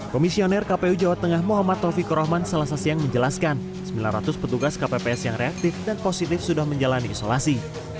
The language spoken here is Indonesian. komisioner kpu jawa tengah muhammad taufikur rahman selasa siang menjelaskan sembilan ratus petugas kpps yang reaktif dan positif sudah menjalani isolasi